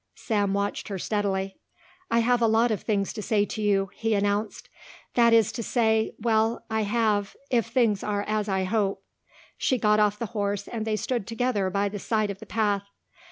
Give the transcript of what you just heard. Sam watched her steadily. "I have a lot of things to say to you," he announced. "That is to say well I have, if things are as I hope." She got off the horse and they stood together by the side of the path.